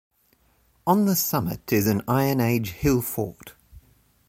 On the summit is an Iron Age hillfort.